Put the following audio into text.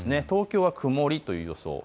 東京は曇りという予想。